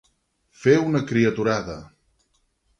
Fer una criaturada.